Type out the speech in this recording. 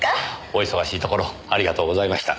お忙しいところありがとうございました。